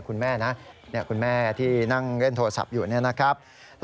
คุณแม่นะคุณแม่ที่นั่งเล่นโทรศัพท์อยู่นี่นะครับ